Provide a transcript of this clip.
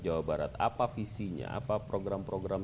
jawa barat apa visinya apa program program